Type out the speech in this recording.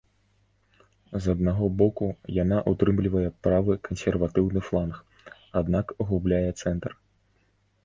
З аднаго боку, яна ўтрымлівае правы кансерватыўны фланг, аднак губляе цэнтр.